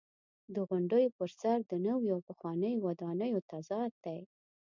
د غونډیو پر سر د نویو او پخوانیو ودانیو تضاد دی.